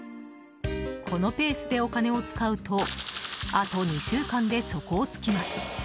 このペースでお金を使うとあと２週間で底をつきます。